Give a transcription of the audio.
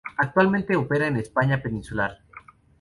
Actualmente opera en España peninsular.